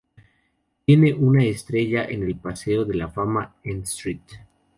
Tiene una estrella en el Paseo de la Fama en St.